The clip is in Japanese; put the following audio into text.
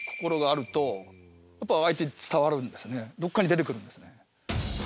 どっかに出てくるんですね。